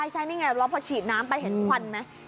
ใช่นี่ไงแล้วพอฉีดน้ำไปเห็นควันไหม